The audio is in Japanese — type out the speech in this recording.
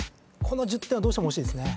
この１０点はどうしても欲しいですね。